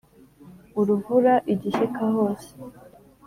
uruvura igishyika hose.